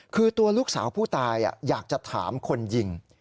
คือตัวลูกสาวผู้ตายอยากจะถามคนยิง